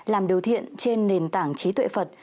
làm điều thiện trên nền tảng trí tuệ phật